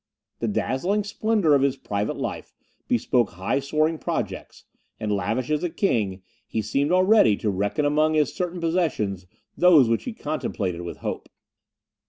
The dazzling splendour of his private life bespoke high soaring projects; and, lavish as a king, he seemed already to reckon among his certain possessions those which he contemplated with hope.